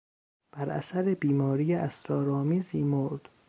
بر اثر بیماری اسرارآمیزی مرد.